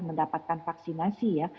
mendapatkan vaksinasi ya